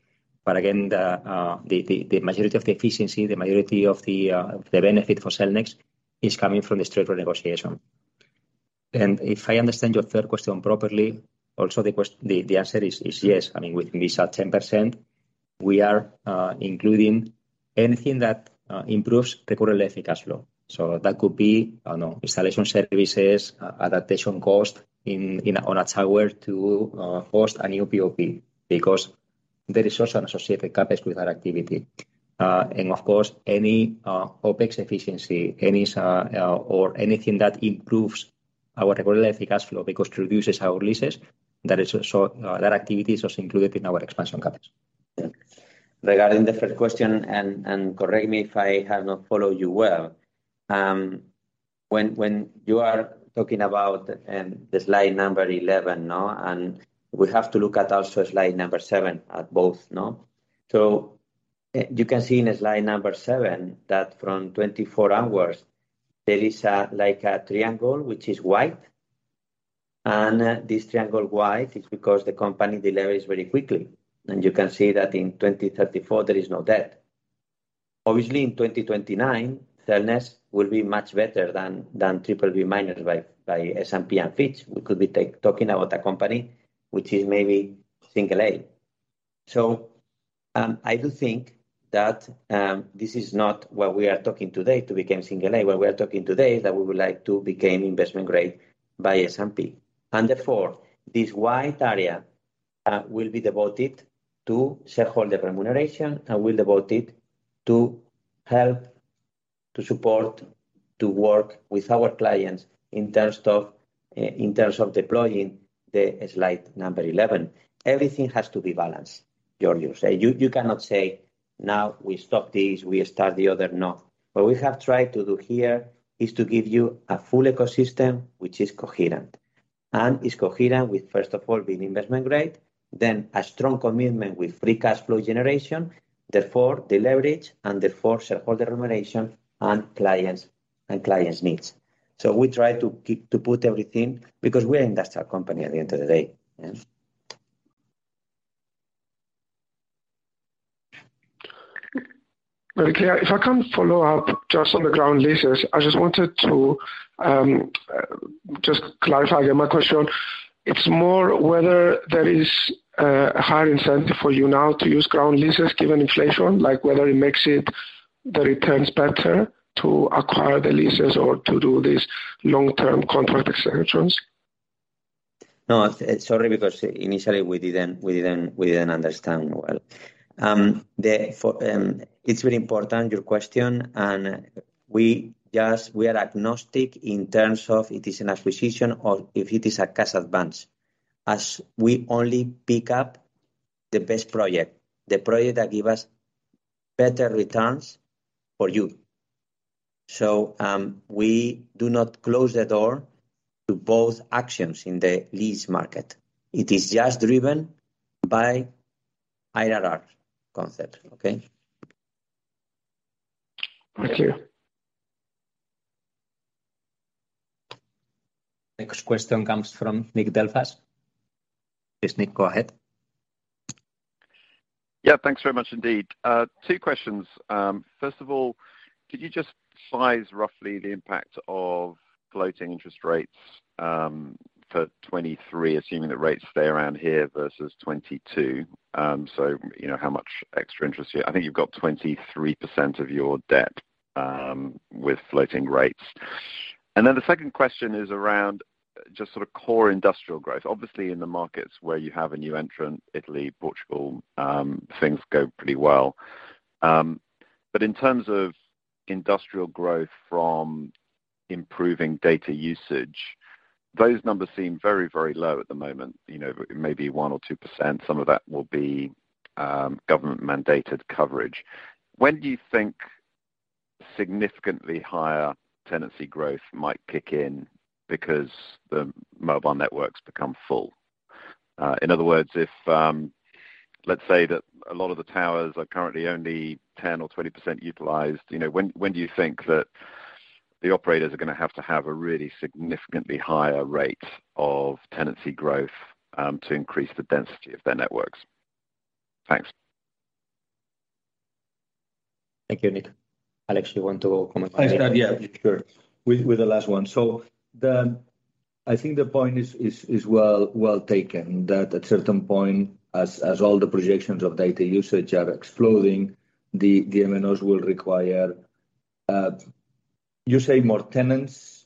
but again, the majority of the benefit for Cellnex is coming from the straight through negotiation. If I understand your third question properly, the answer is yes. I mean, within this at 10%, we are including anything that improves the quarterly free cash flow. That could be, I don't know, installation services, adaptation cost on a tower to host a new PoP because there is also an associated CapEx with that activity. Of course, any OpEx efficiency or anything that improves our quarterly free cash flow because reduces our leases, that activity is also included in our expansion CapEx. Regarding the first question, correct me if I have not followed you well, when you are talking about the slide 11, no? We have to look at also slide seven at both, no? You can see in slide seven that from 2024 onwards, there is a triangle which is white. And this triangle wide is because the company deleveraged very quickly. You can see that in 2034, there is no debt. Obviously, in 2029, Cellnex will be much better than BBB- by S&P and Fitch. We could be talking about a company which is maybe single A. I do think that this is not what we are talking today to become single A. What we are talking today is that we would like to become investment grade by S&P. Therefore, this wide area will be devoted to shareholder remuneration and will devote it to help to support, to work with our clients in terms of deploying the slide number 11. Everything has to be balanced, Georgios. You cannot say, now we stop this, we start the other. No. What we have tried to do here is to give you a full ecosystem, which is coherent. It's coherent with, first of all, being investment grade, then a strong commitment with free cash flow generation, therefore deleverage, and therefore shareholder remuneration and clients' needs. We try to put everything because we are industrial company at the end of the day. Yes. Very clear. If I can follow up just on the ground leases. I just wanted to just clarify again my question. It's more whether there is a higher incentive for you now to use ground leases given inflation, like whether it makes the returns better to acquire the leases or to do these long-term contract extensions. No. Sorry, because initially we didn't understand well. It's very important, your question, and we are agnostic in terms of it is an acquisition or if it is a cash advance, as we only pick up the best project, the project that give us better returns for you. We do not close the door to both actions in the lease market. It is just driven by IRR concept. Okay? Thank you. Next question comes from Nick Delfas. Yes, Nick, go ahead. Yeah. Thanks very much indeed. Two questions. First of all, could you just size roughly the impact of floating interest rates for 2023, assuming that rates stay around here, versus 2022? So you know how much extra interest you. I think you've got 23% of your debt with floating rates. Then the second question is around just sort of core industrial growth. Obviously, in the markets where you have a new entrant, Italy, Portugal, things go pretty well. But in terms of industrial growth from improving data usage, those numbers seem very, very low at the moment. You know, maybe 1% or 2%, some of that will be government-mandated coverage. When do you think significantly higher tenancy growth might kick in because the mobile networks become full? In other words, if let's say that a lot of the towers are currently only 10% or 20% utilized, you know, when do you think that the operators are gonna have to have a really significantly higher rate of tenancy growth, to increase the density of their networks? Thanks. Thank you, Nick. Àlex, you want to comment on that? Thanks, Nick. Yeah, sure. With the last one. I think the point is well taken that at certain point, as all the projections of data usage are exploding, the MNOs will require, say, more tenants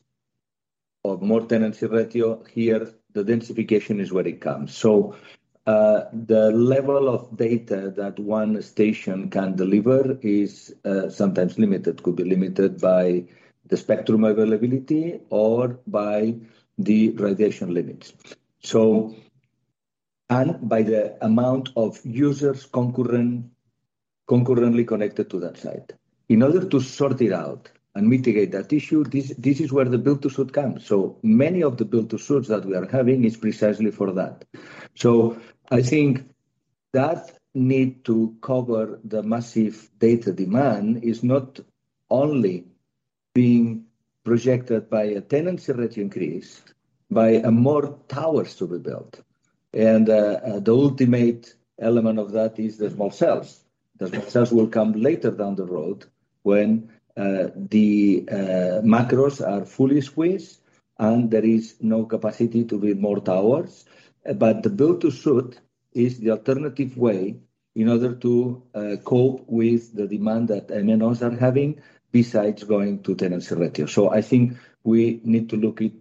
or more tenancy ratio. Here, the densification is where it comes. The level of data that one station can deliver is sometimes limited. Could be limited by the spectrum availability or by the radiation limits. And by the amount of users concurrently connected to that site. In order to sort it out and mitigate that issue, this is where the build-to-suit comes. Many of the build-to-suits that we are having is precisely for that. I think the need to cover the massive data demand is not only being projected by a tenancy ratio increase, by more towers to be built. The ultimate element of that is the small cells. The small cells will come later down the road when the macros are fully squeezed, and there is no capacity to build more towers. The build-to-suit is the alternative way in order to cope with the demand that MNOs are having besides going to tenancy ratio. I think we need to look at it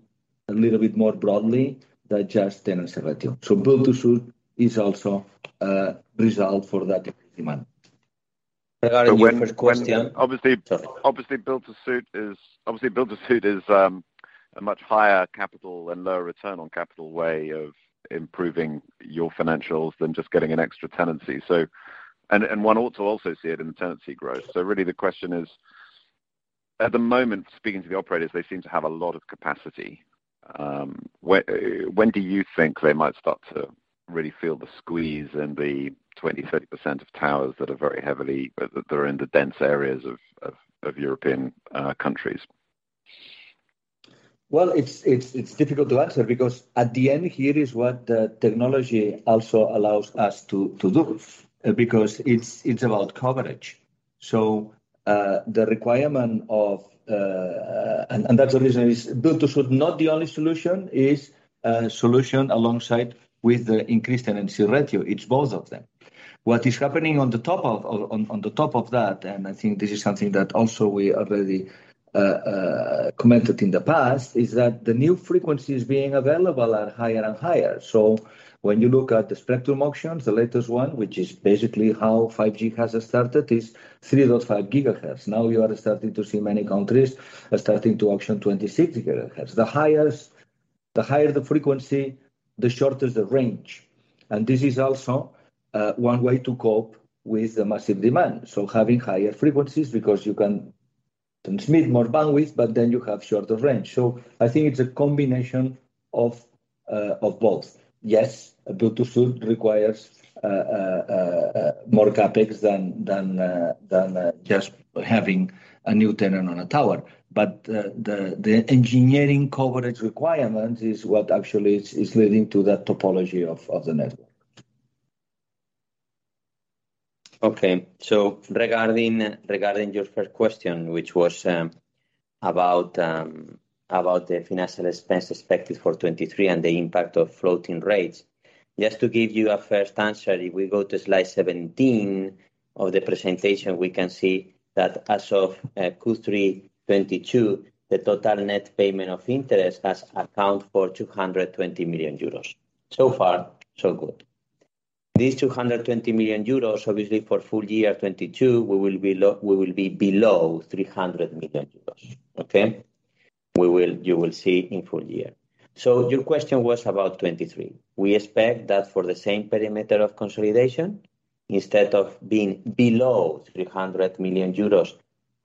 a little bit more broadly than just tenancy ratio. Build-to-suit is also a result for that demand. Regarding your first question. Obviously. Sorry. Obviously, Build-to-Suit is a much higher capital and lower return on capital way of improving your financials than just getting an extra tenancy. One ought to also see it in the tenancy growth. Really the question is, at the moment, speaking to the operators, they seem to have a lot of capacity. When do you think they might start to really feel the squeeze in the 20%-30% of towers that are in the dense areas of European countries. It's difficult to answer because at the end here is what the technology also allows us to do. Because it's about coverage. The requirement of. That's the reason: build-to-suit not the only solution, is a solution alongside with the increased tenancy ratio. It's both of them. What is happening on top of that, and I think this is something that also we already commented in the past, is that the new frequencies being available are higher and higher. When you look at the spectrum auctions, the latest one, which is basically how 5G has started, is 3.5 GHz. Now you are starting to see many countries are starting to auction 26 GHz. The higher the frequency, the shorter the range. This is also one way to cope with the massive demand. Having higher frequencies because you can transmit more bandwidth, but then you have shorter range. I think it's a combination of both. Yes, a build-to-suit requires more CapEx than just having a new tenant on a tower. The engineering coverage requirement is what actually is leading to that topology of the network. Okay. Regarding your first question, which was about the financial expense expected for 2023 and the impact of floating rates. Just to give you a first answer, if we go to slide 17 of the presentation, we can see that as of Q3 2022, the total net payment of interest has accounted for 220 million euros. So far, so good. These 220 million euros, obviously, for full year 2022, we will be below 300 million euros. Okay? You will see in full year. Your question was about 2023. We expect that for the same perimeter of consolidation, instead of being below 300 million euros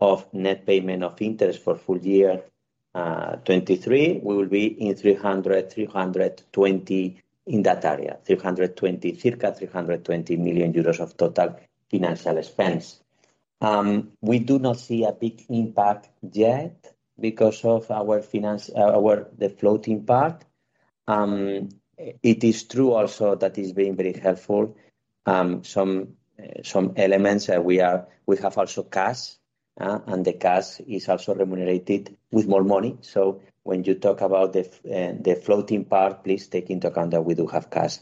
of net payment of interest for full year 2023, we will be in 300 million-320 million in that area. 320, circa 320 million euros of total financial expense. We do not see a big impact yet because of our finance, the floating part. It is true also that is being very helpful. Some elements we have also cash, and the cash is also remunerated with more money. When you talk about the floating part, please take into account that we do have cash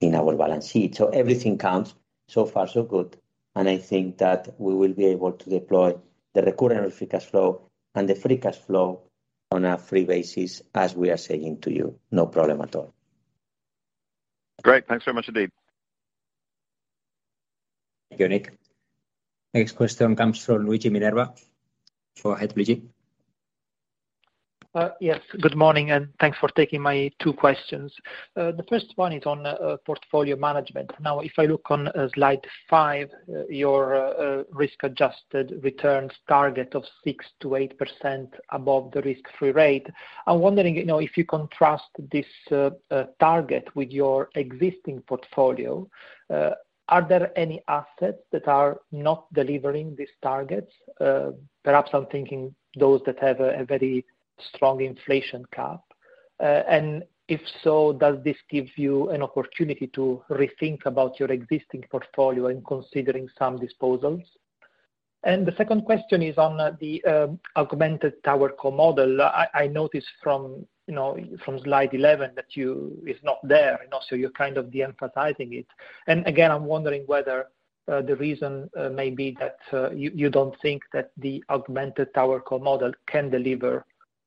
in our balance sheet. Everything counts. So far, so good. I think that we will be able to deploy the recurrent free cash flow and the free cash flow on a free basis, as we are saying to you. No problem at all. Great. Thanks very much indeed. Thank you, Nick. Next question comes from Luigi Minerva. Go ahead, Luigi. Yes. Good morning, and thanks for taking my two questions. The first one is on portfolio management. Now, if I look on slide five, your risk-adjusted returns target of 6%-8% above the risk-free rate. I'm wondering, you know, if you contrast this target with your existing portfolio, are there any assets that are not delivering these targets? Perhaps I'm thinking those that have a very strong inflation cap. If so, does this give you an opportunity to rethink about your existing portfolio in considering some disposals? The second question is on the augmented TowerCo model. I noticed from, you know, from slide 11 that it's not there, and also you're kind of de-emphasizing it. I'm wondering whether the reason may be that you don't think that the augmented TowerCo model can deliver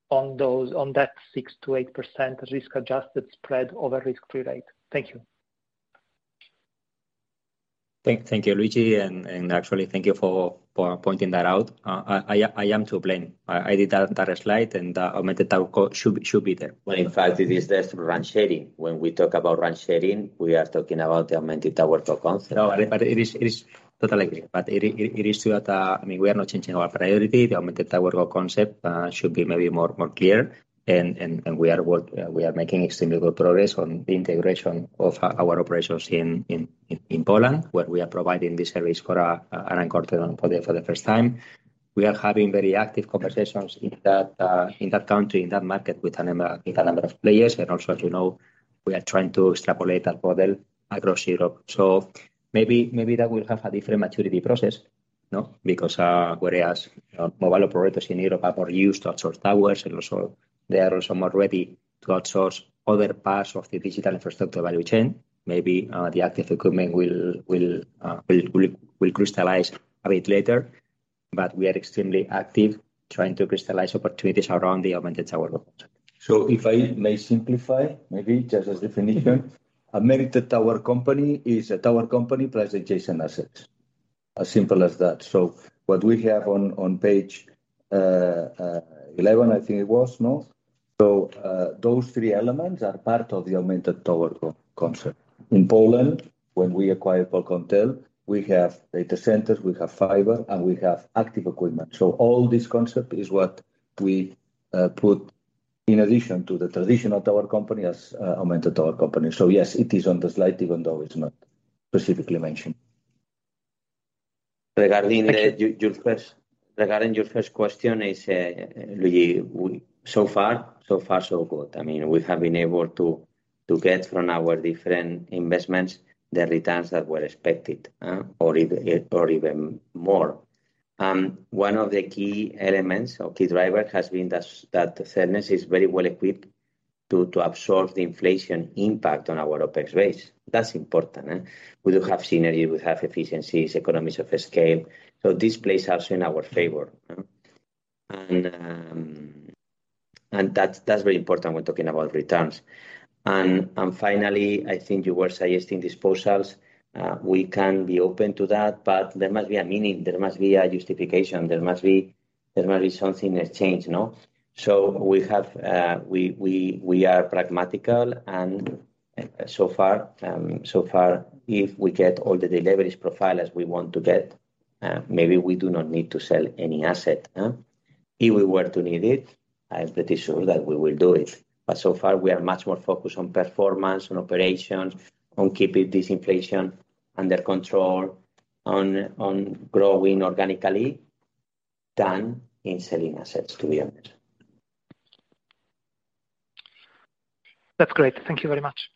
on that 6%-8% risk-adjusted spread over risk-free rate. Thank you. Thank you, Luigi. Actually, thank you for pointing that out. I am to blame. I did that entire slide, and the Augmented TowerCo should be there. Well, in fact, it is there through RAN sharing. When we talk about RAN sharing, we are talking about the Augmented TowerCo concept. No, but I totally agree. It is true that, I mean, we are not changing our priority. The Augmented TowerCo concept should maybe be more clear. We are making extremely good progress on the integration of our operations in Poland, where we are providing this service for an anchor tenant for the first time. We are having very active conversations in that country, in that market with a number of players. As you know, we are trying to extrapolate that model across Europe. Maybe that will have a different maturity process, you know. Because whereas mobile operators in Europe are more used to outsource towers, and also they are also more ready to outsource other parts of the digital infrastructure value chain. Maybe the active equipment will crystallize a bit later. We are extremely active trying to crystallize opportunities around the augmented TowerCo. If I may simplify, maybe just as definition. Augmented tower company is a tower company plus adjacent assets. As simple as that. What we have on page 11, I think it was. No. Those three elements are part of the augmented tower co concept. In Poland, when we acquired Polkomtel, we have data centers, we have fiber, and we have active equipment. All this concept is what we put. But in addition to the traditional tower company as augmented tower company. Yes, it is on the slide even though it's not specifically mentioned. Regarding your first question, I say, Luigi, so far, so good. I mean, we have been able to get from our different investments the returns that were expected, or even more. One of the key elements or key driver has been that Cellnex is very well equipped to absorb the inflation impact on our OpEx rates. That's important, eh? We do have synergy, we have efficiencies, economies of scale. This plays also in our favor, eh? And that's very important when talking about returns. Finally, I think you were suggesting disposals. We can be open to that, but there must be a meaning, there must be a justification, there must be something exchanged, no? We are pragmatical, and so far, if we get all the deliveries profile as we want to get, maybe we do not need to sell any asset. If we were to need it, I am pretty sure that we will do it. So far, we are much more focused on performance, on operations, on keeping this inflation under control, on growing organically than in selling assets, to be honest. That's great. Thank you very much.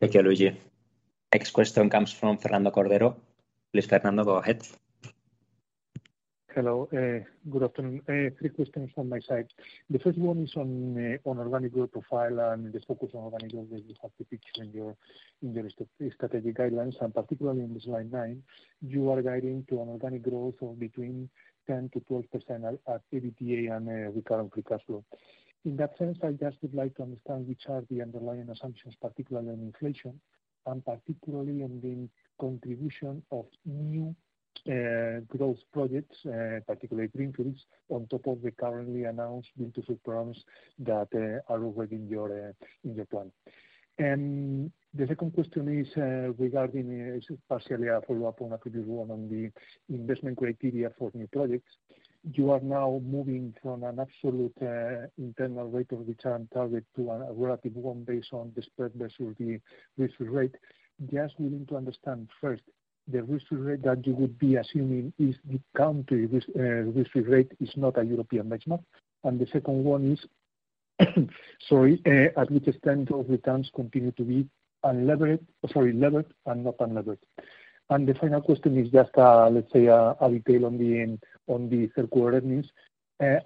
Thank you, Luigi. Next question comes from Fernando Cordero. Please, Fernando, go ahead. Hello. Good afternoon. Three questions from my side. The first one is on organic growth profile and the focus on organic growth that you have depicted in your strategic guidelines, and particularly on the slide nine. You are guiding to an organic growth of between 10%-12% at EBITDA and recurrent free cash flow. In that sense, I just would like to understand which are the underlying assumptions, particularly on inflation, and particularly on the contribution of new growth projects, particularly Greenfields, on top of the currently announced build-to-suit programs that are already in your plan. The second question is regarding. This is partially a follow-up on attribute one on the investment criteria for new projects. You are now moving from an absolute internal rate of return target to a relative one based on the spread versus the risk-free rate. Just wanted to understand first, the risk-free rate that you would be assuming is the country risk-free rate. It's not a European benchmark. The second one is, sorry, to what extent returns continue to be levered and not unlevered. The final question is just, let's say, a detail at the end on the third quarter earnings.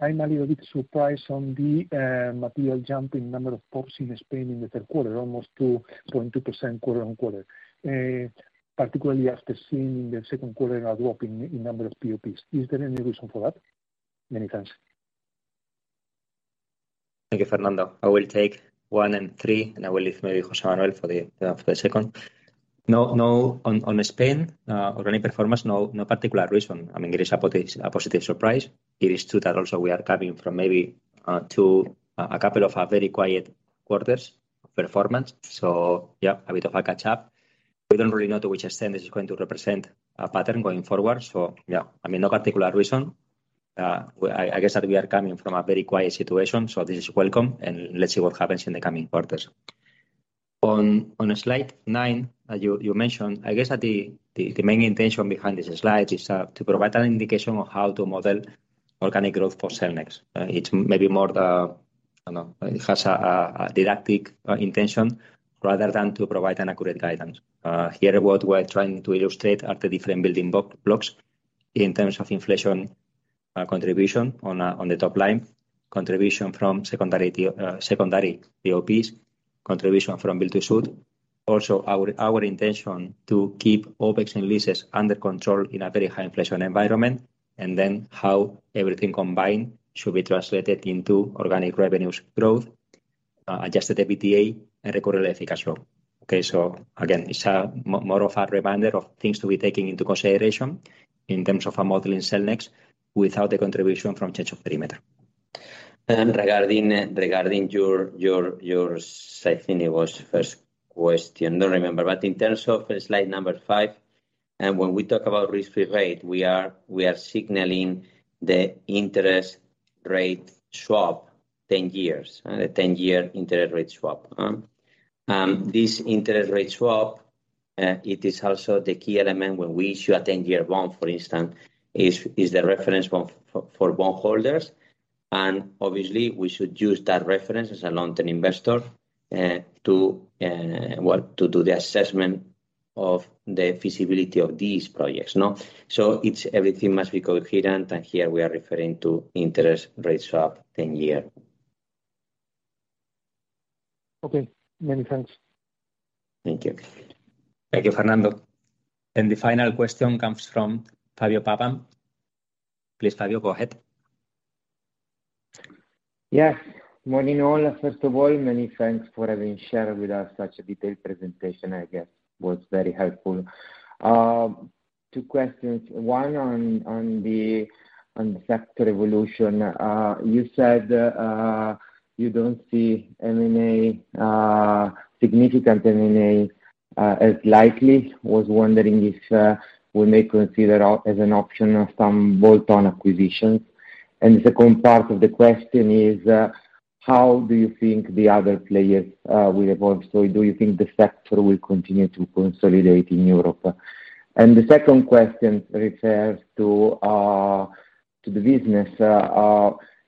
I'm a little bit surprised at the material jump in number of PoPs in Spain in the third quarter, almost 2.2% quarter-on-quarter. Particularly after seeing the second quarter a drop in number of PoPs. Is there any reason for that? Many thanks. Thank you, Fernando. I will take one and three, and I will leave maybe José Manuel for the second. No, on Spain, organic performance, no particular reason. I mean, it is a positive surprise. It is true that also we are coming from maybe a couple of very quiet quarters of performance. Yeah, a bit of a catch-up. We don't really know to which extent this is going to represent a pattern going forward. Yeah, I mean, no particular reason. I guess that we are coming from a very quiet situation, so this is welcome, and let's see what happens in the coming quarters. On slide nine, as you mentioned, I guess that the main intention behind this slide is to provide an indication of how to model organic growth for Cellnex. It's maybe more the, I don't know, it has a didactic intention rather than to provide an accurate guidance. Here, what we're trying to illustrate are the different building blocks in terms of inflation contribution on the top line, contribution from secondary PoPs, contribution from build-to-suit. Also, our intention to keep OpEx and leases under control in a very high inflation environment, and then how everything combined should be translated into organic revenues growth, adjusted EBITDA, and recurrent free cash flow. Okay, again, it's more of a reminder of things to be taking into consideration in terms of modeling Cellnex without the contribution from change of perimeter. Regarding your first question. I think it was first question. Don't remember. In terms of slide number five, when we talk about risk-free rate, we are signaling the 10-year interest rate swap. This interest rate swap, it is also the key element when we issue a 10-year bond, for instance, it is the reference bond for bondholders. Obviously, we should use that reference as a long-term investor to do the assessment of the feasibility of these projects, no? It's everything must be coherent, and here we are referring to 10-year interest rate swap. Okay. Many thanks. Thank you. Thank you, Fernando. The final question comes from Fabio Pavan. Please, Fabio, go ahead. Yes. Morning, all. First of all, many thanks for having shared with us such a detailed presentation. I guess it was very helpful. Two questions. One on the sector evolution. You said you don't see significant M&A as likely. Was wondering if we may consider as an option some bolt-on acquisitions. The second part of the question is how do you think the other players will evolve? Do you think the sector will continue to consolidate in Europe? The second question refers to the business.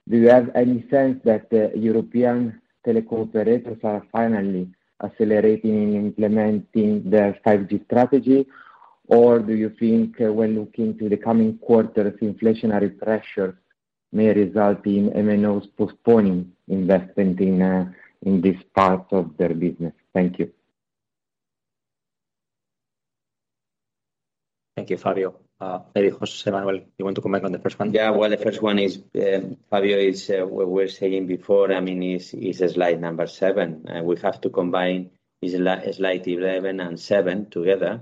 Do you have any sense that the European telecom operators are finally accelerating in implementing their 5G strategy? Or do you think when looking to the coming quarters, inflationary pressure may result in MNOs postponing investment in this part of their business? Thank you. Thank you, Fabio. Maybe José Manuel, you want to comment on the first one? Yeah. Well, the first one is, Fabio, what we were saying before, I mean, slide number seven. We have to combine this slide 11 and seven together.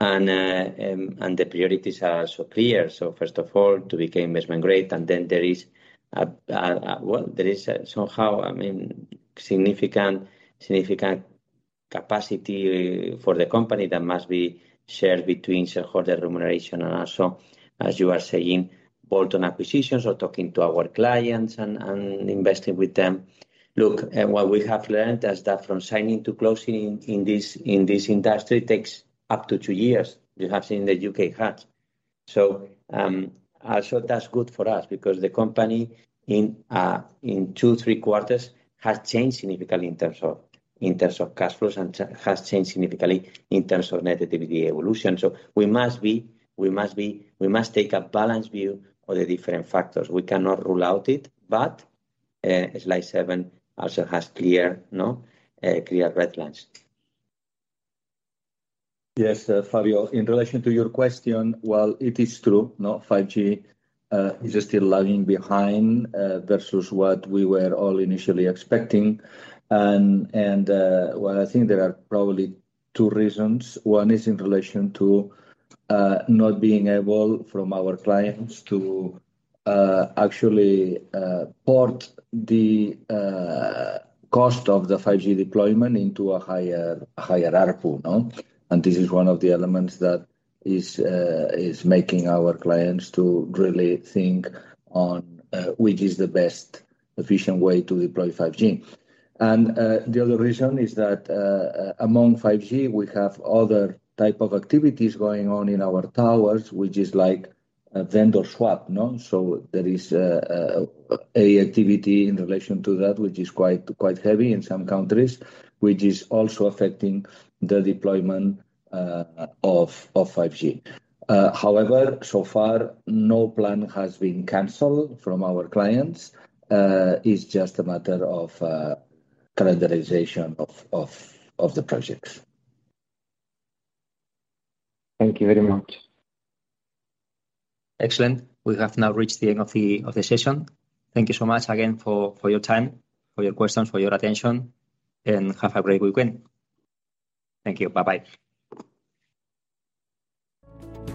The priorities are so clear. First of all, to become investment grade, and then there is somehow significant capacity for the company that must be shared between shareholder remuneration and also, as you are saying, bolt-on acquisitions or talking to our clients and investing with them. What we have learned is that from signing to closing in this industry takes up to 2 years. You have seen the Hutch U.K.. Also that's good for us because the company in 2 quarters-3 quarters has changed significantly in terms of cash flows and net activity evolution. We must take a balanced view of the different factors. We cannot rule it out. Slide seven also has clear red lines. Yes, Fabio, in relation to your question, well, it is true, no, 5G is still lagging behind versus what we were all initially expecting. I think there are probably two reasons. One is in relation to not being able, from our clients, to actually port the cost of the 5G deployment into a higher ARPU, no? This is one of the elements that is making our clients to really think on which is the best efficient way to deploy 5G. The other reason is that among 5G, we have other type of activities going on in our towers, which is like a vendor swap, no? There is an activity in relation to that, which is quite heavy in some countries, which is also affecting the deployment of 5G. However, so far, no plan has been canceled from our clients. It's just a matter of calendarization of the projects. Thank you very much. Excellent. We have now reached the end of the session. Thank you so much again for your time, for your questions, for your attention, and have a great weekend. Thank you. Bye-bye.